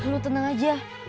lu tenang aja